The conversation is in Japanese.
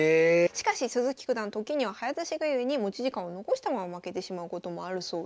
しかし鈴木九段時には早指しがゆえに持ち時間を残したまま負けてしまうこともあるそうです。